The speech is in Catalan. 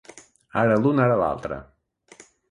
Ara l'un ara l'altre.